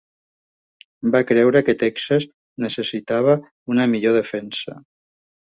Va creure que Texas necessitava una millor defensa.